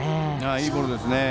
いいボールですね。